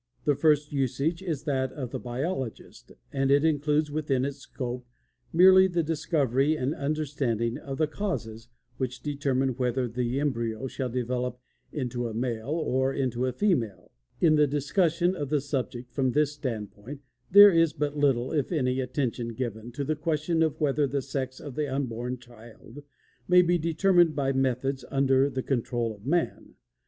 The first usage is that of the biologist, and it includes within its scope merely the discovery and understanding of the CAUSES which determine whether the embryo shall develop into a male or into a female. In the discussion of the subject from this standpoint there is but little, if any, attention given to the question of whether the sex of the unborn child may be determined by methods under the control of man.